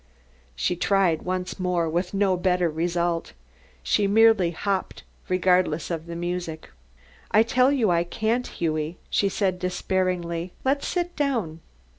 She tried once more with no better result. She merely hopped, regardless of the music. "I tell you I can't, Hughie," she said, despairingly. "Let's sit down."